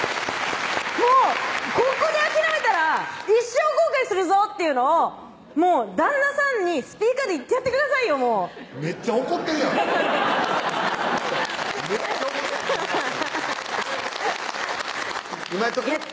もうここで諦めたら一生後悔するぞっていうのを旦那さんにスピーカーで言ってやってくださいよもうめっちゃ怒ってるやんめっちゃ怒ってる珍しい今やっとく？